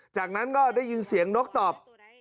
จากนั้นก็ได้ยินเสียงนกตอบ